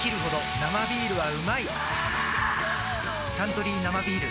「サントリー生ビール」